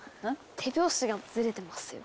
手拍子がずれてますよ。